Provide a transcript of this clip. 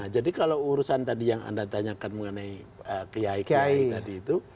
jadi kalau urusan tadi yang anda tanyakan mengenai kiai kiai tadi itu